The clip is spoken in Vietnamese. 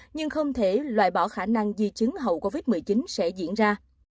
nhưng không thể loại bỏ khả năng di chứng hậu covid một mươi chín sẽ diễn ra